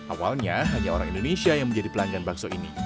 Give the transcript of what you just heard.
awalnya hanya orang indonesia yang menjadi pelanggan bakso ini